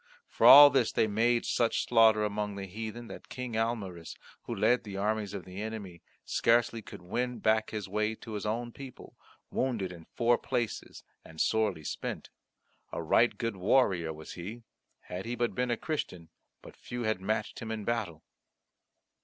For all this they made such slaughter among the heathen that King Almaris, who led the armies of the enemy, scarcely could win back his way to his own people, wounded in four places and sorely spent. A right good warrior was he; had he but been a Christian but few had matched him in battle.